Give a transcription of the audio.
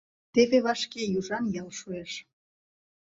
Теве вашке Южан ял шуэш.